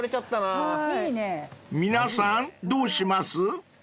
［皆さんどうします？］